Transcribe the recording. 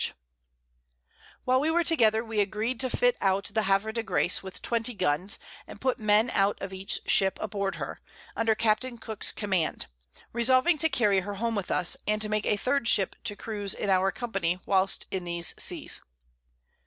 Frye, While we were together, we agreed to fit out the Havre de Grace with twenty Guns, and put Men out of each Ship aboard her, under Captain Cook's Command, resolving to carry her home with us, and to make a third Ship to cruise in our Company, whilst in these Seas.